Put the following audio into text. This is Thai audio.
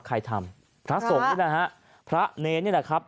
ใครทำพระสงฆ์นี่แหละฮะพระเนรนี่แหละครับ